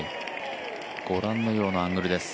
ご覧のようなアングルです。